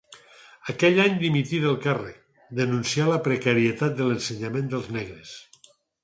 Aquell any dimití del càrrec; denuncià la precarietat de l'ensenyament dels negres.